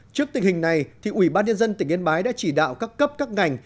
trước tình hình này ủy ban nhân dân tỉnh yên bái đã chỉ đạo các cấp các ngành